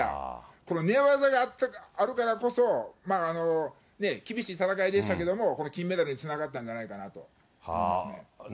この寝技があるからこそ、厳しい戦いでしたけれども、この金メダルにつながったんじゃないかと思いますね。